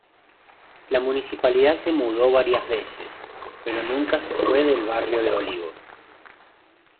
La Municipalidad se mudó varias veces, pero nunca se fue del barrio de Olivos.